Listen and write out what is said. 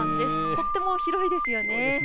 とても広いですよね。